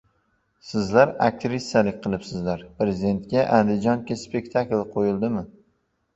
«Sizlar aktrisalik qilibsizlar». Prezidentga «andijoncha spektakl» qo‘yildimi?